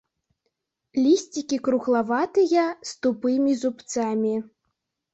Лісцікі круглаватыя, з тупымі зубцамі.